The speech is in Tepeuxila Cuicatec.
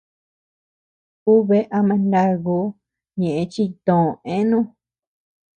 Ú bea ama ndakuu ñeʼë chi tö eanu.